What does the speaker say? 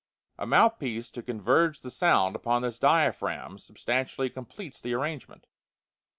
A mouthpiece to converge the sound upon this diaphragm substantially completes the arrangement.